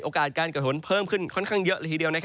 การเกิดฝนเพิ่มขึ้นค่อนข้างเยอะละทีเดียว